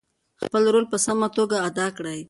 خپل رول په سمه توګه ادا کړئ.